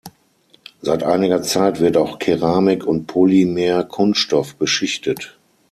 Seit einiger Zeit wird auch Keramik und Polymer-Kunststoff beschichtet.